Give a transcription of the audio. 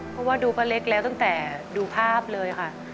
เพราะว่าดูป้าเล็กแล้วตั้งแต่ดูภาพเลยค่ะ